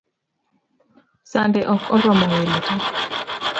Sande ok oromo welo tee